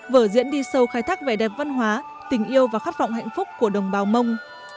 vở diễn đi sâu khai thác vẻ đẹp văn hóa tình yêu và khát vọng hạnh phúc của đồng bào mông